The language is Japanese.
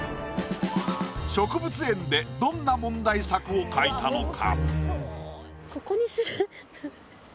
植物園でどんな問題作を描いたのか？